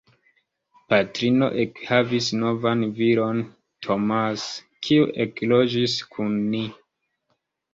Patrino ekhavis novan viron, Tomas, kiu ekloĝis kun ni.